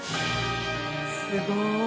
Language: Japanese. すごい。